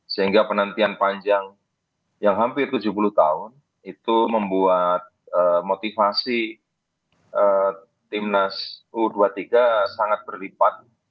sehingga penantian panjang yang hampir tujuh puluh tahun itu membuat motivasi timnas u dua puluh tiga sangat berlipat